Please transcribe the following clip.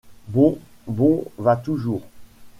Bon, bon, va toujours…